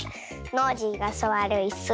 ノージーがすわるいす。